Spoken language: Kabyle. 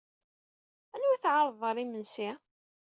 Anwa ay d-tɛerḍed ɣer yimensi?